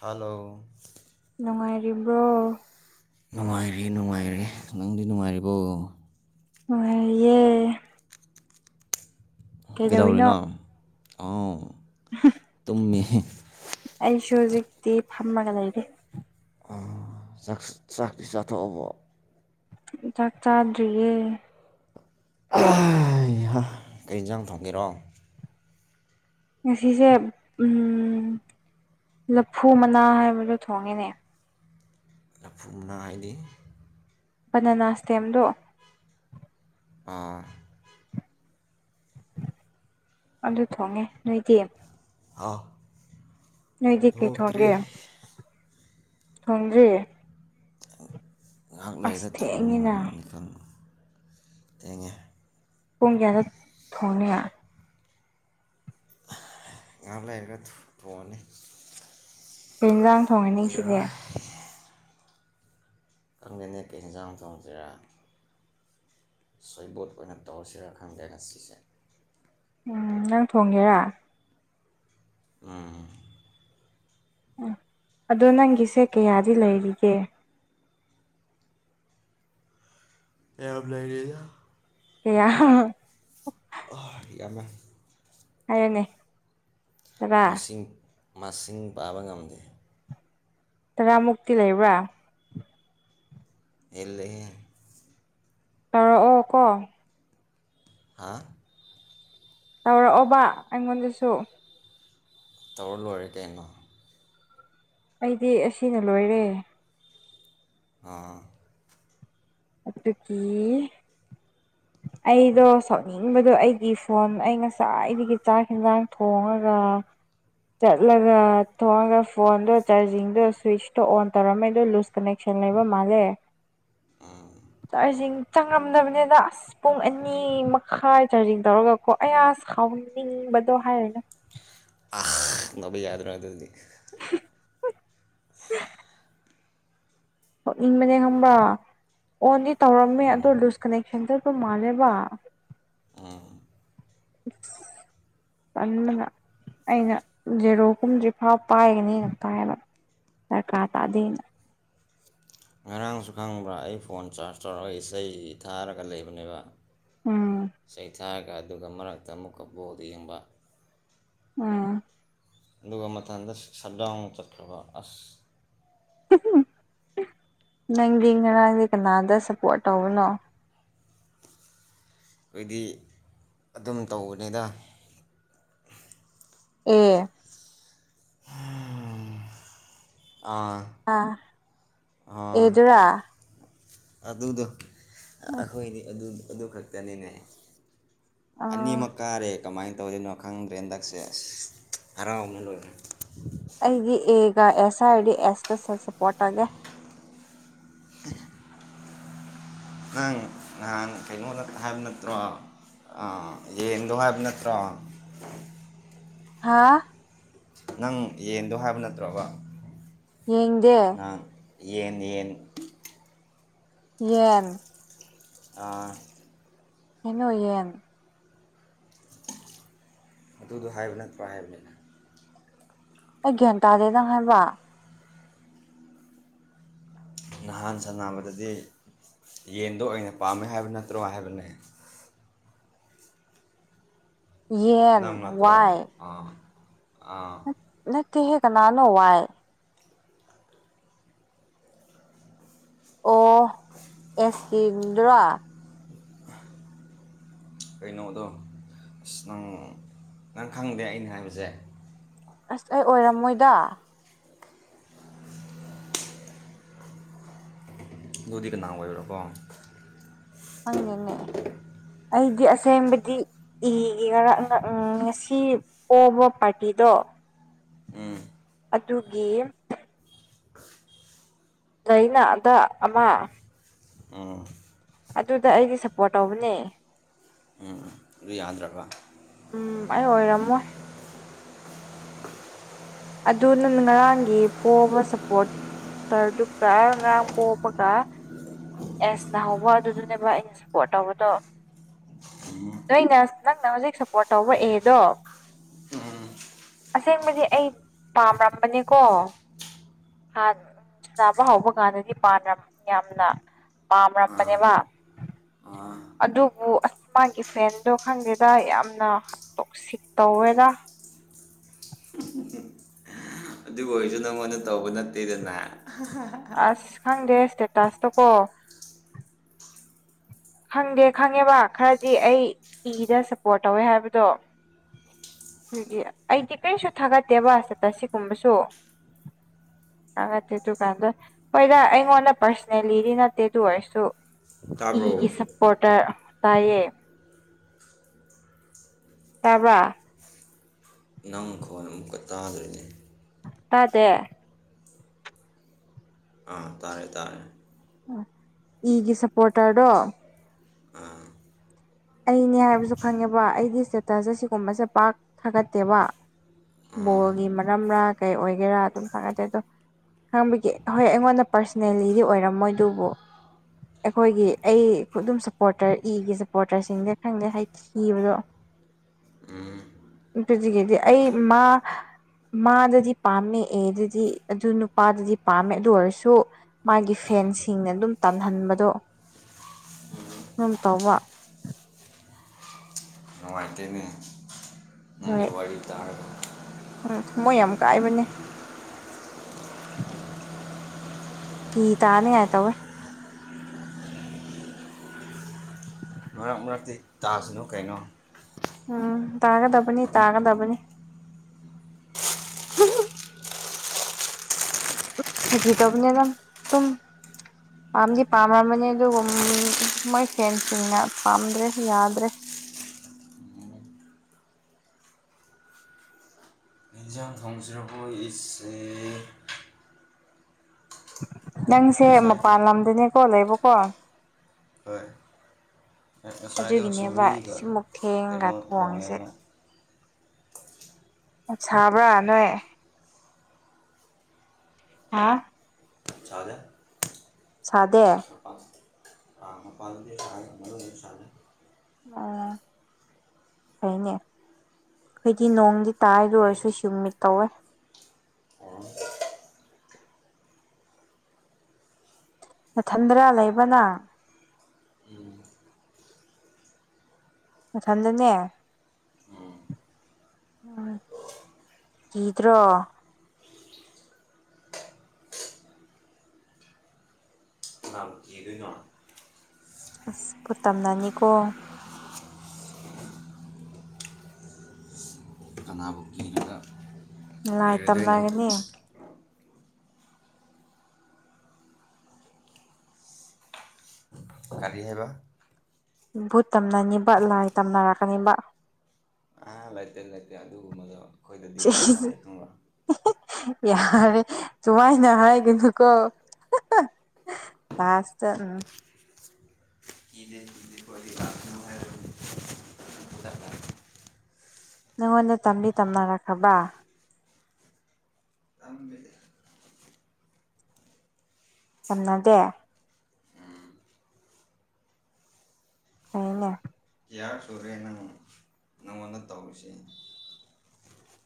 hello ꯅꯨꯡꯉꯥꯏꯔꯤꯕ꯭ꯔꯣ ꯅꯨꯡꯉꯥꯏꯔꯤ ꯅꯨꯡꯉꯥꯏꯔꯤ ꯅꯪꯗꯤ ꯅꯨꯡꯉꯥꯏꯔꯤꯕꯣ ꯅꯨꯡꯉꯥꯢꯔꯤꯌꯦ ꯀꯩꯗꯧꯔꯤꯅꯣ ꯑꯥꯎ [inaudible] ꯇꯨꯝꯃꯦ ꯑꯩꯁꯨ ꯍꯧꯖꯤꯛꯇꯤ ꯐꯝꯃꯒ ꯂꯩꯔꯦ ꯑ ꯆꯥꯛ ꯆꯥꯛꯇꯤ ꯆꯊꯣꯛꯑꯕꯣ ꯆꯥꯛ ꯆꯥꯗ꯭ꯔꯤꯌꯦ ꯍꯩ ꯍꯥ ꯀꯩ ꯌꯦꯟꯖꯥꯡ ꯊꯣꯡꯒꯦꯔꯣ ꯉꯁꯤꯁꯦ ꯂꯐꯨ ꯃꯅꯥ ꯍꯥꯏꯕꯗꯣ ꯊꯣꯡꯉꯤꯅꯦ ꯂꯐꯨꯅ ꯍꯥꯏꯅꯤ ꯕꯅꯅꯥꯁꯇꯦꯝꯗꯣ ꯑ ꯑꯗꯨ ꯊꯣꯡꯉꯦ ꯅꯣꯏꯗꯤ ꯑ ꯅꯣꯏꯗꯤ ꯀꯩ ꯊꯣꯡꯒꯦ ꯊꯣꯡꯗ꯭ꯔꯤ ꯉꯥꯏꯍꯥꯛ ꯑꯁ ꯂꯩꯔꯒ ꯊꯣꯡ ꯊꯦꯡꯉꯤꯅ ꯃꯤꯈꯜ ꯊꯦꯡꯉꯦ ꯄꯨꯡ ꯀꯌꯥꯗ ꯊꯣꯡꯅꯤ ꯉꯥꯛ ꯂꯩꯔ ꯊꯣꯡꯉꯅꯤ ꯀꯩ ꯌꯦꯟꯖꯥꯡ ꯊꯣꯡꯉꯦ ꯅꯤꯡꯁꯤꯅꯦ ꯀꯨꯏꯔꯔꯣꯏ ꯈꯪꯗꯦꯅꯦ ꯀꯩ ꯌꯦꯟꯖꯥꯡ ꯊꯣꯡꯁꯤꯔꯥ ꯁꯣꯏꯕꯣꯠ ꯑꯣꯏꯅ ꯇꯧꯔꯁꯤꯔꯥ ꯈꯪꯗꯦ ꯉꯁꯤꯁꯦ ꯎꯝ ꯅꯪ ꯊꯣꯡꯒꯦꯔꯥ ꯎꯝ ꯎ ꯑꯗꯣ ꯅꯪꯒꯤꯁꯦ ꯀꯌꯥꯗꯤ ꯂꯩꯔꯤꯒꯦ ꯌꯥꯝ ꯂꯩꯔꯤꯗ ꯀꯌꯥ ꯑ ꯌꯥꯝꯃꯦ ꯍꯥꯏꯌꯣꯅꯦ ꯇꯔꯥ ꯃꯁꯤꯡ ꯃꯁꯤꯡ ꯄꯥꯕ ꯉꯝꯗꯦ ꯇꯔꯥꯃꯨꯛꯇꯤ ꯂꯩꯕ꯭ꯔꯥ ꯏꯜꯂꯦꯍꯦ ꯇꯥꯔꯣ ꯑꯣ ꯀꯣ ꯍꯥꯥ ꯇꯧꯔꯛꯑꯣꯕ ꯑꯩꯉꯣꯟꯗꯁꯨ ꯇꯧꯔ ꯂꯣꯏꯔꯦ ꯀꯩꯅꯣ ꯑꯩꯗꯤ ꯑꯁꯤꯅ ꯂꯣꯏꯔꯦ ꯑꯥ ꯑꯗꯨꯀꯤ ꯑꯩꯗꯣ ꯁꯛꯅꯤꯡꯕꯗꯣ ꯑꯩꯒꯤ ꯐꯣꯟ ꯑꯩ ꯉꯁꯥꯏꯗꯒꯤ ꯆꯥꯛ ꯌꯦꯟꯖꯥꯡ ꯊꯣꯡꯉꯒ ꯆꯠꯂꯒ ꯇꯣꯉ ꯐꯣꯟꯗꯣ ꯆꯥꯔꯖꯤꯡꯗꯣ ꯁ꯭ꯋꯤꯤꯁꯇꯣ ꯑꯣꯟ ꯇꯧꯔꯝꯃꯦ ꯑꯗꯣ ꯂꯨꯖ ꯀꯅꯦꯛꯁꯟ ꯂꯩꯕ ꯃꯥꯜꯂꯦ ꯑꯥ ꯆꯥꯛ ꯏꯁꯤꯡ ꯆꯪꯉꯝꯗꯕꯅꯤꯗ ꯑꯁ ꯑꯁ ꯄꯨꯡ ꯑꯅꯤ ꯃꯈꯥꯏ ꯆꯥꯔꯖꯤꯡ ꯇꯧꯔꯒ ꯀꯣ ꯑꯌꯥꯁ ꯈꯥꯎꯅꯤꯡꯕꯗꯣ ꯍꯥꯏꯔꯦꯅ ꯑ ꯅꯅꯕ [unintelligible] ꯌꯥꯗ꯭ꯔꯥ ꯑꯗꯨꯗꯤ ꯊꯣꯛꯅꯤꯡꯕꯅꯦ ꯈꯪꯕ꯭ꯔ ꯑꯣꯟꯗꯤ ꯇꯧꯔꯝꯃꯦ ꯑꯗꯣ ꯂꯨꯖ ꯀꯅꯦꯛꯁꯟ ꯆꯠꯄ ꯃꯥꯜꯂꯦꯕ ꯑ ꯎ ꯄꯟꯕꯅ ꯑꯩꯅ ꯖꯦꯔꯣ ꯀꯨꯝꯗ꯭ꯔꯤꯐꯥꯎ ꯄꯥꯏꯒꯅꯤꯅ ꯄꯥꯏꯕ ꯗꯔꯀꯥ ꯇꯗꯦꯅ ꯉꯔꯥꯡꯁꯨ ꯈꯪꯕ꯭ꯔꯥ ꯑꯩ ꯐꯣꯟ ꯆꯥꯔꯖ ꯇꯧꯔꯒ ꯏꯁꯩ ꯊꯥꯔꯒ ꯂꯩꯕꯅꯦꯕ ꯎꯝ ꯆꯩꯊꯔꯒ ꯑꯗꯨꯒ ꯃꯔꯛꯇ ꯑꯃꯨꯛꯀ ꯕꯣꯜ ꯌꯦꯡꯕ ꯎꯝ ꯑꯗꯨꯒ ꯃꯊꯟꯗ ꯁꯠ ꯗꯥꯎꯟ ꯆꯠꯈ꯭ꯔꯕ ꯑꯁ ꯅꯪꯗꯤ ꯉꯔꯥꯡꯁꯦ ꯀꯅꯥꯗ ꯁꯞꯄꯣꯔꯠ ꯇꯧꯕꯅꯣ ꯑꯩꯈꯣꯏꯗꯤ ꯑꯗꯨꯝ ꯇꯧꯕꯅꯤꯗ ꯑꯦ ꯑꯥ ꯑꯥ ꯑꯥ ꯑꯦꯗꯨꯔꯥ ꯑꯗꯨꯗꯣ ꯑꯩꯈꯣꯏꯗꯤ ꯑꯗꯨ ꯈꯛꯇꯅꯤꯅꯦ ꯑꯅꯤ ꯑꯥ ꯃꯛꯀꯥꯔꯦ ꯀꯃꯥꯏꯅ ꯇꯧꯔꯤꯅꯣ ꯈꯪꯗ꯭ꯔꯦ ꯍꯟꯗꯛꯁꯦ ꯑꯁ ꯍꯔꯥꯎꯅ ꯂꯣꯏꯔꯦ ꯑꯩꯗꯤ ꯑꯦꯒ ꯑꯦꯁ ꯍꯥꯏꯗꯤ ꯑꯦꯁꯇ ꯁꯞꯄꯣꯔꯠ ꯇꯧꯒꯦ ꯅꯪ ꯅꯍꯥꯟ ꯀꯩꯅꯣ ꯍꯥꯏꯕ ꯅꯠꯇ꯭ꯔꯣ ꯑꯥ ꯌꯦꯡꯗꯕ ꯅꯠꯇ꯭ꯔꯣ ꯍꯥꯥ ꯅꯪ ꯌꯦꯟꯗꯣ ꯍꯥꯏꯕ ꯅꯠꯇ꯭ꯔꯕ ꯌꯦꯡꯗꯦ ꯉꯥ ꯌꯦꯟ ꯌꯦꯟ ꯌꯦꯟ ꯑꯥ ꯍꯩꯅꯨꯌꯦꯟ [unintelligible] ꯑꯗꯨꯗꯣ ꯍꯥꯏꯕ ꯅꯠꯇ꯭ꯔꯣ ꯍꯥꯏꯕꯅꯤ ꯑꯩ ꯒꯤꯌꯥꯟꯇꯥꯗꯦꯗ ꯍꯥꯏꯕ ꯅꯍꯥꯟ ꯁꯥꯟꯅꯕꯗꯗꯤ ꯌꯦꯟꯗꯣ ꯑꯣꯏꯅ ꯄꯥꯝꯃꯦ ꯍꯥꯏꯕ ꯅꯠꯇ꯭ꯔꯣ ꯍꯥꯏꯕꯅꯦ ꯌꯦꯟ ꯅꯪ ꯅꯠꯇ꯭ꯔꯣ ꯋꯥꯏ ꯑꯥ ꯑꯥ ꯅꯠꯇꯦꯍꯦ ꯀꯅꯥꯅꯣ ꯋꯥꯏ ꯑꯣ ꯎ [unintelligible] ꯑꯦꯁꯀꯤꯗ꯭ꯔ ꯀꯩꯅꯣꯗꯣ ꯑꯁ ꯅꯪ ꯅꯪ ꯈꯪꯗꯦ ꯑꯩꯅ ꯍꯥꯏꯕꯁꯦ ꯑꯁ ꯑꯩ ꯑꯣꯏꯔꯝꯃꯣꯏꯗ ꯑꯗꯨꯗꯤ ꯀꯅꯥ ꯑꯣꯏꯕꯔꯀꯣ ꯐꯪꯉꯦꯅꯦ ꯑꯩꯗꯤ ꯑꯁꯦꯡꯕꯗꯤ ꯏꯒꯦ ꯈꯔ ꯎꯝ ꯉꯁꯤ ꯄꯣꯕ ꯄꯥꯔꯇꯤꯗꯣ ꯑꯗꯨꯒꯤ ꯂꯩꯩꯅ ꯑꯗ ꯑꯃ ꯎꯝ ꯑꯗꯨꯗ ꯑꯩꯗꯤ ꯁꯞꯄꯣꯔꯠ ꯇꯧꯕꯅꯦ ꯑꯗꯨ ꯌꯥꯗ꯭ꯔꯕ ꯎꯝ ꯑꯩ ꯑꯣꯏꯔꯝꯃꯣꯏ ꯑꯗꯨ ꯅꯪꯅ ꯉꯔꯥꯡꯒꯤ ꯄꯣꯕ ꯁꯞꯄꯣꯔꯠ ꯇꯔꯗꯨꯀ ꯉꯔꯥꯡ ꯄꯣꯛꯄꯒ ꯑꯦꯁꯅꯍꯧꯕ ꯑꯗꯨꯗꯨꯅꯦꯕ ꯑꯩꯅ ꯁꯄꯣꯔꯠ ꯇꯧꯕꯗꯣ ꯅꯣꯏꯅ ꯅꯪꯅ ꯍꯧꯖꯤꯛ ꯁꯞꯄꯣꯔꯠ ꯇꯧꯕ ꯑꯦꯗꯣ ꯑꯁꯦꯡꯕꯗꯤ ꯑꯩ ꯄꯥꯝꯔꯝꯕꯅꯤꯀꯣ ꯍꯥꯟ ꯆꯥꯕ ꯍꯧꯕ ꯀꯥꯟꯗꯗꯤ ꯄꯥꯟꯔꯝ ꯌꯥꯝꯅ ꯄꯥꯝꯔꯝꯕꯅꯦꯕ ꯑꯗꯨꯕꯨ ꯑꯁ ꯃꯥꯒꯤ ꯐꯦꯟꯗꯣ ꯈꯪꯗꯦꯗ ꯌꯥꯝꯅ ꯇꯣꯛꯁꯤꯛ ꯇꯧꯋꯦꯗ [unintelligible] ꯑꯗꯨꯕꯨ ꯑꯣꯏꯔꯁꯨ ꯅꯪꯉꯣꯟꯗ ꯇꯧꯕ ꯅꯠꯇꯦꯗꯅ ꯑꯁ ꯈꯪꯗꯦ ꯁꯇꯦꯇꯥꯁꯇꯣ ꯀꯣ ꯈꯪꯗꯦ ꯈꯪꯉꯦꯕ ꯈꯔꯗꯤ ꯑꯩ ꯏꯗ ꯁꯞꯄꯣꯔꯠ ꯇꯧꯋꯦ ꯍꯥꯏꯕꯗꯣ ꯑ [unintelligible] ꯑꯗꯨꯗꯤ ꯑꯩꯗꯤ ꯀꯔꯤꯁꯨ ꯊꯥꯒꯠꯇꯦꯕ ꯏꯁꯇꯦꯇꯁ ꯁꯤꯒꯨꯝꯕꯁꯨ ꯑ ꯑꯗꯨ ꯗꯨꯀꯥꯟꯗ ꯍꯣꯏꯗ ꯑꯩꯉꯣꯟꯗ ꯄꯔꯁꯅꯦꯜꯂꯤꯗꯤ ꯅꯠꯇꯦ ꯑꯗꯨ ꯑꯣꯏꯔꯁꯨ ꯏꯒꯤ ꯇꯥꯕ꯭ꯔꯣ ꯁꯞꯄꯣꯔꯇ ꯇꯥꯏꯌꯦ ꯇꯥꯕ꯭ꯔꯥ ꯅꯪ ꯈꯣꯟ ꯑꯃꯨꯛꯀ ꯇꯥꯗꯔ꯭ꯦꯅꯦ ꯇꯥꯗꯦ ꯑꯥ ꯇꯥꯔꯦ ꯇꯥꯔꯦ ꯏꯒꯤ ꯁꯞꯄꯣꯔꯇꯔꯗꯣ ꯑ ꯑꯩꯅꯦ ꯍꯥꯏꯕꯁꯨ ꯈꯪꯉꯦꯕ ꯑꯩꯗꯤ ꯏꯁꯇꯦꯇꯁꯁꯦ ꯁꯤꯒꯨꯝꯕꯁꯦ ꯄꯥꯛ ꯊꯥꯒꯠꯇꯦꯕ ꯕꯣꯜꯒꯤ ꯃꯔꯝꯔꯥ ꯀꯩ ꯑꯣꯏꯒꯦꯔꯥ ꯑꯗꯨꯝ ꯊꯒꯠꯇꯦ ꯑꯗꯣ ꯈꯥꯡꯕꯒꯦ ꯍꯣꯏ ꯑꯩꯉꯣꯟꯗ ꯄꯥꯔꯁꯅꯦꯜꯂꯤꯗꯤ ꯑꯣꯏꯔꯝꯃꯣꯏ ꯑꯗꯨꯕꯨ ꯑꯩꯈꯣꯏꯒꯤ ꯑꯩ ꯑꯗꯨꯝ ꯁꯞꯄꯣꯔꯇꯔ ꯏꯒꯤ ꯁꯞꯄꯣꯔꯠ ꯇ꯭ꯔꯁꯤꯡꯗ ꯈꯪꯗꯦ ꯍꯥꯏꯗꯤ ꯊꯤꯕꯗꯣ ꯄꯤꯖꯤꯒꯤꯗꯤ ꯑꯩ ꯃꯥ ꯃꯥꯗꯗꯤ ꯄꯥꯝꯃꯦ ꯑꯦ ꯑꯗꯨꯗꯤ ꯑꯗꯨ ꯅꯨꯄꯥꯗꯨꯗꯤ ꯄꯥꯝꯃꯦ ꯑꯗꯨ ꯑꯣꯏꯔꯁꯨ ꯃꯥꯒꯤ ꯐꯦꯟꯁꯤꯡꯅ ꯑꯗꯨꯝ ꯇꯟꯍꯟꯕꯗꯣ ꯑꯗꯨꯝ ꯇꯧꯕ ꯅꯨꯡꯉꯥꯏꯇꯦꯅꯦ ꯅꯪꯒꯤ ꯍꯣꯏ ꯋꯥꯔꯤ ꯇꯥꯔꯒ ꯎꯝ ꯊꯃꯣꯏ ꯌꯥꯝ ꯀꯥꯏꯕꯅꯦ ꯄꯤ ꯇꯥꯅꯤꯡꯉꯥꯏ ꯇꯧꯔꯦ ꯅꯠꯇꯦ ꯇꯥꯁꯅꯨ ꯀꯩꯅꯣ ꯎꯝ ꯇꯥꯒꯗꯕꯅꯤ ꯇꯥꯒꯗꯕꯅꯤ ꯐꯥꯒꯤ ꯇꯧꯕꯅꯦꯗꯥ ꯇꯨꯝꯃꯨ ꯄꯥꯝꯗꯤ ꯄꯥꯝꯔꯝꯕꯅꯤ ꯑꯗꯨꯒꯨꯝ ꯃꯣꯏ ꯐꯦꯟꯁꯤꯡꯅ ꯄꯥꯝꯗ꯭ꯔꯦ ꯌꯥꯗ꯭ꯔꯦ ꯀꯩ ꯏꯟꯖꯥꯡ ꯈꯣꯡꯁꯤ꯭ꯔꯕꯨ ꯏꯁ ꯑꯦ ꯅꯪꯁꯦ ꯉꯁꯥꯏꯗꯤ ꯃꯄꯥꯟ ꯂꯝꯗꯅꯦꯀꯣ ꯂꯩꯕꯀꯣ ꯍꯣꯏ ꯉꯁꯥꯏꯗꯣ ꯑꯗꯨꯒꯤꯅꯦꯕ ꯁꯧꯒꯔꯤꯒ ꯁꯤꯃꯨꯛ ꯊꯦꯡꯒ ꯀꯩꯅꯣ ꯊꯣꯡꯉꯤꯁꯦ ꯊꯣꯡꯉꯦꯕ ꯁꯥꯕ꯭ꯔꯥ ꯅꯣꯏ ꯍꯥ ꯁꯥꯗꯦ ꯁꯥꯗꯦ [inaudible] [unintelligible] ꯑ ꯃꯄꯥꯟꯗꯥꯗꯤ ꯁꯥꯏ ꯃꯅꯨꯡꯗꯥꯗꯤ ꯁꯗꯦ ꯑꯣ ꯐꯩꯅꯦ ꯈꯣꯢꯗꯤ ꯅꯣꯡꯗꯤ ꯇꯥꯏ ꯗꯨ ꯑꯣꯏꯔꯁꯨ ꯁꯨꯝꯃꯤꯠ ꯀꯧꯋꯦ ꯑꯣ ꯃꯊꯟꯗꯔꯥ ꯂꯩꯕꯥ ꯅꯪ ꯎꯝ ꯃꯊꯟꯗꯅꯦ ꯎꯝ ꯎꯝ ꯀꯤꯗ꯭ꯔꯣ ꯀꯅꯕꯨ ꯀꯤꯗꯣꯏꯅꯣ ꯑꯁ ꯚꯨꯠ ꯇꯝꯅꯅꯤꯀꯣ ꯀꯅꯥꯕꯨ ꯀꯤꯔꯨꯔ ꯥꯂꯥꯏ ꯇꯝꯅꯒꯅꯤ ꯀꯥꯔꯤ ꯍꯥꯏꯕ ꯚꯨꯠ ꯇꯝꯅꯅꯤꯕ ꯂꯥꯏ ꯇꯝꯅꯔꯛꯀꯅꯤꯕ ꯑ ꯂꯥꯏ ꯇꯤꯟ ꯂꯩꯇꯦ ꯑꯗꯨꯒꯨꯝꯕꯗꯣ ꯑꯩꯈꯣꯏꯗꯗꯤ ꯁꯤ ꯆꯠꯅꯗꯦ ꯈꯪꯕ꯭ꯔꯥ ꯌꯥꯔꯦ ꯁꯨꯃꯥꯏꯅ ꯍꯥꯏꯒꯅꯨꯀꯣ ꯂꯁꯇ ꯎꯝ ꯏꯅꯦꯗꯤꯈꯣꯏ ꯑꯅꯤ ꯅꯪꯉꯣꯟꯗ ꯇꯝꯕꯤ ꯇꯝꯅꯔꯛꯈ꯭ꯔꯕ ꯊꯃꯦ ꯇꯝꯅꯗꯦ ꯍꯥꯏꯅ ꯌꯥꯌꯥ ꯁꯨꯔꯨꯔꯦꯅ ꯅꯪꯉꯣꯟꯗ ꯇꯧꯔꯤꯁꯦ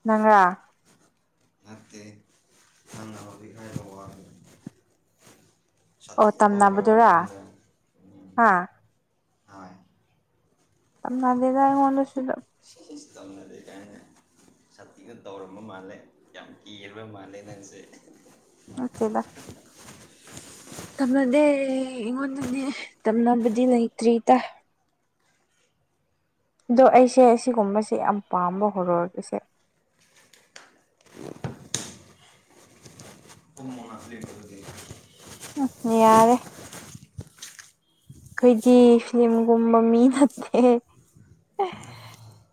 ꯅꯪꯥ ꯅꯠꯇꯦ ꯑꯪꯅꯗ ꯍꯥꯏꯕ ꯑꯗꯨ ꯑꯣ ꯇꯝꯅꯕꯨꯗꯨꯔꯥ ꯅꯉꯣꯟꯗ ꯎꯝ ꯍꯥ ꯍꯣꯏ ꯅꯅꯥꯦꯗꯏꯉꯣꯟꯗ ꯇꯧꯉ ꯂꯩ ꯀ ꯊꯇꯤꯅ ꯇꯧꯔꯝꯕ ꯃꯥꯜꯂꯦ ꯌꯥꯝ ꯀꯤꯔꯕ ꯃꯥꯜꯂꯦ ꯅꯪꯁꯦ ꯃꯆꯦꯗ ꯇꯝꯅꯗꯦ ꯑꯩꯉꯣꯟꯗꯅꯦ ꯇꯝꯅꯕꯗꯤ ꯂꯩꯇ꯭ꯔꯤ ꯇꯥꯏ ꯑꯗꯣ ꯑꯩꯁꯦ ꯑꯁꯤꯒꯨꯝꯕꯁꯦ ꯌꯥꯝ ꯄꯥꯝꯕ ꯍꯧꯔꯒꯁꯦ ꯃꯥꯁꯦꯦ ꯎꯝ ꯌꯥꯔꯦ ꯑꯩꯈꯣꯏꯒꯤ ꯐꯤꯤꯂꯝꯒꯨꯝꯕ ꯃꯤ ꯅꯠꯇꯦ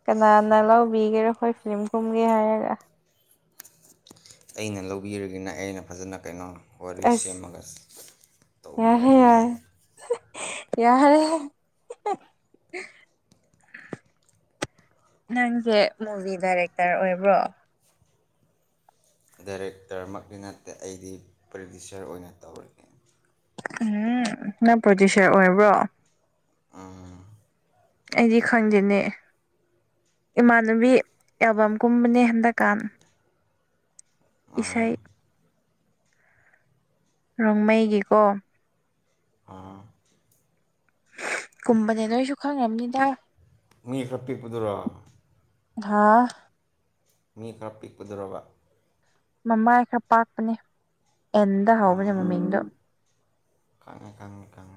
ꯀꯅꯥꯅ ꯂꯧꯕꯤꯒꯦꯔꯣ ꯑꯩꯈꯣꯏ ꯐꯤꯂꯝ ꯀꯨꯝꯒꯦ ꯍꯥꯏꯔꯒ ꯑꯩꯅ ꯂꯧꯕꯤꯔꯒꯅ ꯑꯩꯅ ꯐꯖꯅ ꯀꯩꯅꯣ ꯋꯥꯔꯤ ꯑꯁ ꯁꯦꯝꯃꯒ ꯇꯧꯕꯤꯔꯒꯅꯦ ꯌꯥꯔ ꯅꯪꯁꯦ ꯃꯨꯚꯤ ꯗꯥꯏꯔꯦꯛꯇꯔ ꯑꯣꯏꯕ꯭ꯔꯣ ꯗꯥꯏꯔꯦꯛꯇꯔꯃꯛꯇꯤ ꯅꯠꯇꯦ ꯑꯩꯗꯤ ꯄ꯭ꯔꯗ꯭ꯌꯨꯁꯔ ꯑꯣꯏꯅ ꯇꯧꯔꯒꯦ ꯎꯝ ꯅꯪ ꯄ꯭ꯔꯣꯗ꯭ꯌꯨꯁꯔ ꯑꯣꯏꯔꯕ꯭ꯔꯣ ꯑꯩꯗꯤ ꯈꯪꯗꯦꯅꯦ ꯏꯃꯥꯟꯅꯕꯤ ꯑꯦꯜꯕꯝꯒꯨꯝꯕꯅꯦ ꯍꯟꯗꯛꯀꯥꯟ ꯑꯥ ꯏꯁꯩ ꯔꯣꯡꯃꯩꯒꯤꯀꯣ ꯑꯥ ꯀꯨꯝꯕꯅꯦ ꯅꯣꯏꯁꯨ ꯈꯪꯕꯅꯤꯗ ꯃꯤ ꯈꯔ ꯄꯤꯛꯄꯗꯨꯣꯔꯛ ꯍꯥꯥ ꯃꯤ ꯈꯔ ꯄꯤꯛꯀꯗꯧꯔꯕ ꯃꯃꯥꯏ ꯈꯔ ꯄꯥꯛꯄꯅꯦ ꯑꯦꯟꯗ ꯍꯧꯕꯅꯦ ꯃꯃꯤꯡꯗꯣ ꯀꯪ ꯀꯪ ꯀꯪ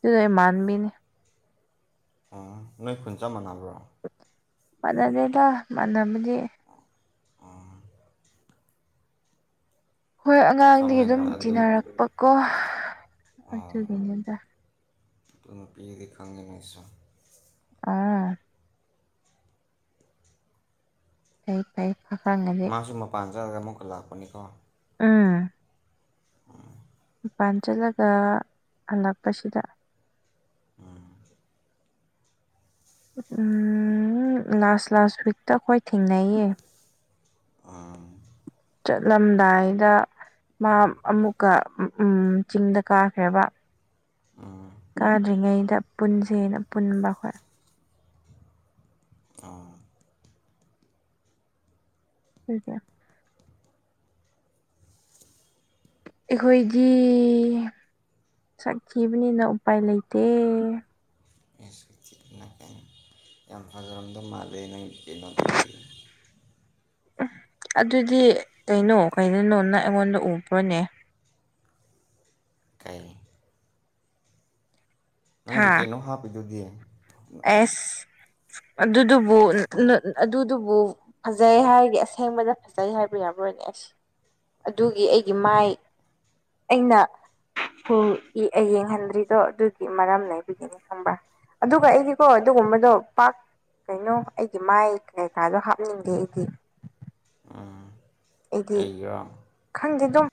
ꯇ ꯃꯥꯟꯕꯤꯅꯦ ꯑꯥ ꯅꯣꯏ ꯈꯨꯟ ꯆꯞ ꯃꯥꯟꯅꯕ꯭ꯔꯣ ꯃꯥꯟꯅꯗꯦꯗ ꯃꯥꯟꯅꯕꯗꯤ ꯑ ꯍꯣꯏ ꯑꯉꯥꯡꯗꯤ ꯑꯗꯨꯝ ꯈꯪꯉꯦꯅ ꯑꯗꯨ ꯇꯤꯟꯅꯔꯛꯄꯀꯣ ꯑꯗꯨꯒꯤꯅꯤ ꯇꯦ ꯑꯗꯨꯅꯄꯤꯤꯗꯤ ꯈꯪꯗꯦꯉꯁ ꯑ ꯇꯩ ꯐꯥꯏ ꯐꯥꯗꯤꯦ ꯃꯥꯁꯨ ꯃ ꯄꯥꯟꯖ ꯑꯗꯨ ꯃꯀ ꯂꯥꯛꯄꯅꯤ ꯀꯣ ꯎꯥ ꯎꯝ ꯃꯄꯥꯟ ꯆꯠꯂꯒ ꯍꯜꯂꯛꯄꯁꯤꯗ ꯎꯝ ꯎꯝ ꯂꯥꯁ ꯂꯥꯁ ꯋꯤꯛꯇ ꯑꯩꯈꯣꯏ ꯊꯦꯡꯅꯩꯌꯦ ꯑꯝ ꯆꯠꯂꯝꯗꯥꯏꯗ ꯃꯥ ꯑꯃꯨꯛꯀ ꯆꯤꯡꯗ ꯀꯥꯈ꯭ꯔꯦꯕ ꯀꯥꯗ꯭ꯔꯤꯉꯩꯗ ꯄꯨꯟꯁꯦꯅ ꯄꯨꯟꯕ ꯍ ꯑꯥ ꯊꯦ ꯑꯩꯈꯣꯏꯗꯤ ꯁꯛꯈꯤꯕꯅꯤꯅ ꯎꯄꯥꯏ ꯂꯩꯇꯦ ꯑꯩ ꯁꯅ ꯀ ꯌꯥꯝ ꯐꯖꯔꯝꯗꯧ ꯃꯥꯜꯂꯦ ꯅꯪꯒꯤ ꯀꯩꯅꯣꯗꯗꯤ ꯎꯝ ꯑꯗꯨꯗꯤ ꯀꯩꯅꯣ ꯀꯅꯣ ꯅꯪ ꯑꯩꯉꯣꯟꯗ ꯎꯕ꯭ꯔꯣꯅꯦ ꯀꯩ ꯅꯪꯒꯤ ꯍꯥ ꯀꯩꯅꯣ ꯍꯥꯞꯄꯤꯗꯨꯗꯤ ꯑꯦꯁ ꯑꯗꯨꯗꯨꯕꯨ ꯑꯗꯨꯗꯨꯕꯨ ꯐꯖꯩ ꯍꯥꯏꯔꯒ ꯑꯁꯦꯡꯕꯗ ꯐꯖꯩ ꯍꯥꯏꯕ ꯌꯥꯔꯔꯣꯏꯅꯦ ꯑꯁ ꯑꯗꯨꯒꯤ ꯑꯩꯒꯤ ꯃꯥꯏ ꯑꯩꯅ ꯌꯦꯡꯍꯟꯗ꯭ꯔꯤꯗꯣ ꯑꯗꯨꯒꯤ ꯃꯔꯝꯅꯕꯨꯒꯤꯅꯤ ꯈꯪꯕ꯭ꯔꯥ ꯑꯗꯨꯒ ꯑꯩꯒꯤꯀꯣ ꯑꯗꯨꯒꯨꯝꯕꯗꯣ ꯄꯥꯛ ꯀꯩꯅꯣ ꯑꯩꯒꯤ ꯃꯥꯏ ꯀꯩꯀꯥꯗꯣ ꯍꯥꯞꯅꯤꯡꯗꯦ ꯑꯩꯗꯤ ꯑꯩꯗꯤ ꯀꯩꯒꯤꯔꯥ ꯈꯪꯗꯦ ꯑꯗꯨꯝ